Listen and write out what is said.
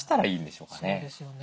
そうですよね。